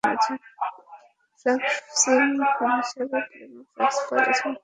Flagship phone হিসেবে Primo X four স্মার্টফোনটিতে ধাতব কাঠামো ব্যবহার করেছে ওয়ালটন।